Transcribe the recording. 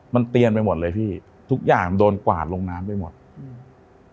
มันเตียนไปหมดเลยพี่ทุกอย่างโดนกวาดลงน้ำไปหมดอืม